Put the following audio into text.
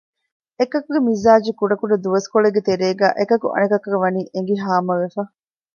އެކަކުގެ މިޒާޖު ކުޑަ ކުޑަ ދުވަސްކޮޅެއްގެ ތެރޭގައި އެކަކު އަނެކަކަށް ވަނީ އެނގި ހާމަވެފަ